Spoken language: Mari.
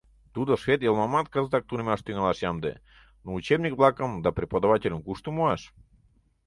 Тудо швед йылмымат кызытак тунемаш тӱҥалаш ямде, но учебник-влакым да преподавательым кушто муаш?